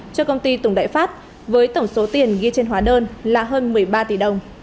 cho công ty tùng đại phát với tổng số tiền ghi trên hóa đơn là hơn một mươi ba tỷ đồng